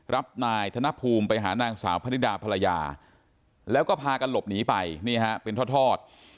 รับนายธนภูมิไปหานางสาวพนิดาภรรยาแล้วก็พากันหลบหนีไปนี่ฮะเป็นทอด